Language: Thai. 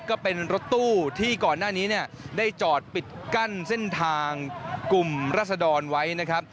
ก็เป็นรถตู้ที่ก่อนหน้านี้เนี่ยได้จอดปิดกั้นเส้นทางกลุ่มรัศดรไว้นะครับ